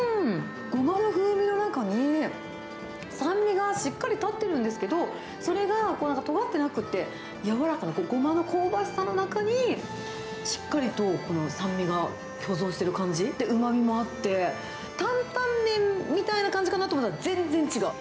ゴマの風味の中に、酸味がしっかり立ってるんですけど、それがとがってなくて、柔らかなゴマの香ばしさの中に、しっかりとこの酸味が共存している感じ、うまみもあって、担々麺みたいな感じかなと思ったら、全然違う。